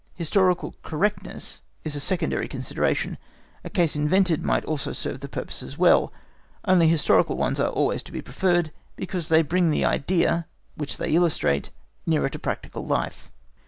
Historical correctness is a secondary consideration; a case invented might also serve the purpose as well, only historical ones are always to be preferred, because they bring the idea which they illustrate nearer to practical life.